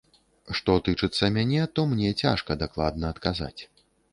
Што тычыцца мяне, то мне цяжка дакладна адказаць.